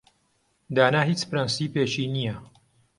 دانا هیچ پرەنسیپێکی نییە.